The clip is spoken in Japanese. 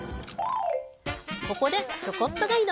ここで「ちょこっとガイド」。